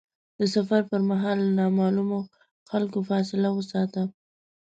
د سفر پر مهال له نامعلومو خلکو فاصله وساته.